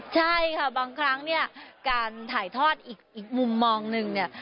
ใช่ค่ะบางครั้งเนี่ยการถ่ายทอดอีกมุมมองหนึ่งเนี่ย